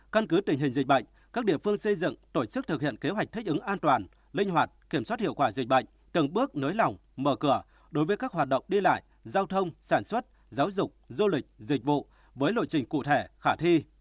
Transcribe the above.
căn cứ tình hình dịch bệnh các địa phương xây dựng tổ chức thực hiện kế hoạch thích ứng an toàn linh hoạt kiểm soát hiệu quả dịch bệnh từng bước nới lỏng mở cửa đối với các hoạt động đi lại giao thông sản xuất giáo dục du lịch dịch vụ với lộ trình cụ thể khả thi